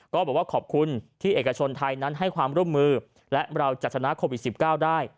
ก็บอกว่าขอบคุณที่เอกชนไทยนั้นให้ความร่วมมือและเราจะชนะโควิด๑๙ได้